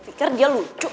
dia pikir dia lucu